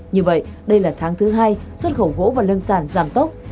như vậy đây là tháng thứ hai xuất khẩu gỗ và lâm sản giảm tốc